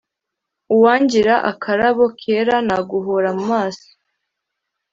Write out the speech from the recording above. Uwangira akarabo kera naguhora mu maso